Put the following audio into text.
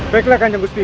baiklah kancah guzki